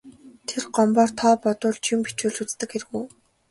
Тэр Гомбоор тоо бодуулж, юм бичүүлж үздэг хэрэг үү.